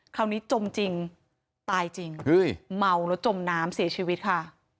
จมจริงตายจริงเมาแล้วจมน้ำเสียชีวิตค่ะ